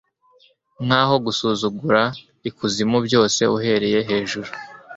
nkaho gusuzugura ikuzimu byose uhereye hejuru